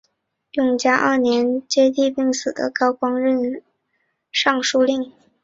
永嘉二年接替病死的高光任尚书令。